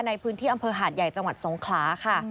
ในพื้นที่อำเภอหาดใหญ่จังหวัดสงขลาค่ะ